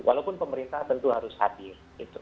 walaupun pemerintah tentu harus hadir